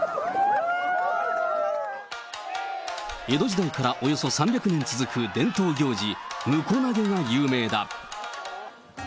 江戸時代からおよそ３００年続く伝統行事、婿投げが有名だ。